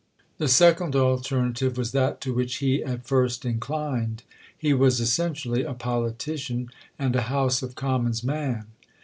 The second alternative was that to which he at first inclined. He was essentially a politician, and a "House of Commons man."